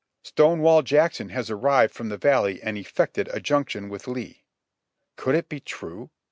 "Stonewall Jackson has arrived from the Valley and eft'ected a junction with Lee." Could it be true?